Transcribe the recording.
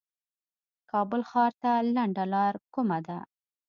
کابل ښار ته لنډه لار کومه ده